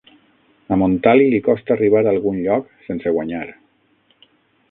A Montali li costa arribar a algun lloc sense guanyar.